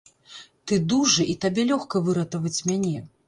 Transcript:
Ты дужы і табе лёгка выратаваць мяне.